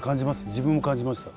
自分も感じました。